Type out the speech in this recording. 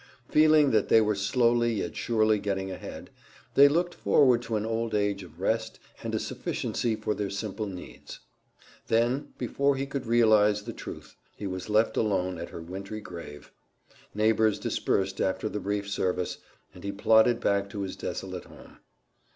Feeling that they were slowly yet surely getting ahead, they looked forward to an old age of rest and a sufficiency for their simple needs. Then, before he could realize the truth, he was left alone at her wintry grave; neighbors dispersed after the brief service, and he plodded back to his desolate home.